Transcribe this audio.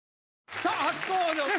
さあ初登場です。